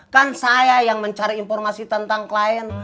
kan saya yang mencari informasi tentang klien